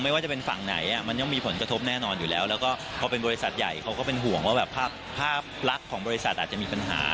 ไม่ว่าจะเป็นฝั่งไหนมันยังมีผลกระทบแน่นอนอยู่แล้วแล้วก็พอเป็นบริษัทใหญ่เขาก็เป็นห่วงว่าแบบภาพลักษณ์ของบริษัทอาจจะมีปัญหา